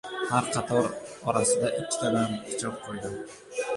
Har qator orasida ikkitadan pichoq qo‘ydim.